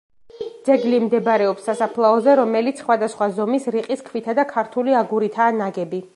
ძეგლი მდებარეობს სასაფლაოზე, რომელიც სხვადასხვა ზომის რიყის ქვითა და ქართული აგურითაა ნაგები.